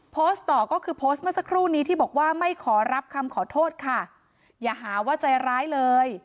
โพสต์ต่อก็คือโพสต์เมื่อสักครู่นี้ที่บอกว่าไม่ขอรับคำขอโทษค่ะอย่าหาว่าใจร้ายเลย